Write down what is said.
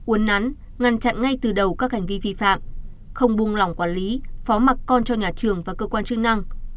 uốn nắn ngăn chặn ngay từ đầu các hành vi vi phạm không buông lỏng quản lý phó mặt con cho nhà trường và cơ quan chức năng